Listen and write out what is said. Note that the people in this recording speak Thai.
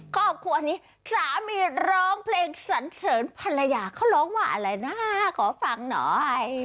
ครอบครัวนี้สามีร้องเพลงสันเสริญภรรยาเขาร้องว่าอะไรนะขอฟังหน่อย